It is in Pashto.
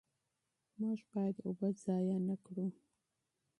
موږ باید اوبه ضایع نه کړو.